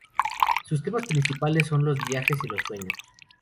Sus temas principales son los viajes y los sueños.